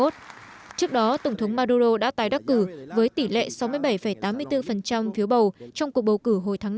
trước đó tổng thống maduro đã tái đắc cử với tỷ lệ sáu mươi bảy tám mươi bốn phiếu bầu trong cuộc bầu cử hồi tháng năm